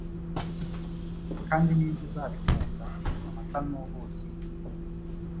kandi ni nde uzabikunda Amata n'ubuki?